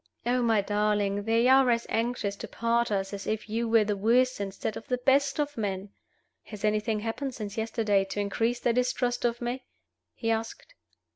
Oh, my darling, they are as anxious to part us as if you were the worst instead of the best of men!" "Has anything happened since yesterday to increase their distrust of me?" he asked.